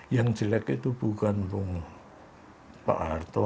yang jelek itu bukan bung pak harto